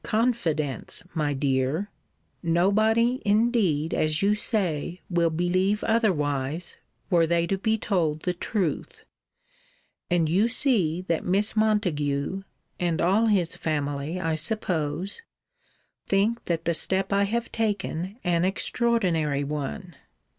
Confidence, my dear! Nobody, indeed, as you say, will believe otherwise, were they to be told the truth: and you see that Miss Montague (and all his family, I suppose) think that the step I have taken an extraordinary one.